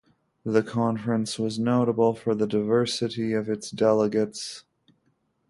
The conference was notable for the diversity of its delegates.